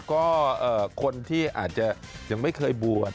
ก็คนที่อาจจะยังไม่เคยบวช